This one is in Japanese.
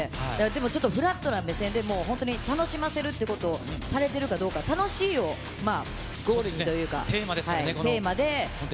でもちょっと、フラットな目線で、本当に楽しませるってことをされてるかどうか、楽しいをゴールにテーマですからね、この。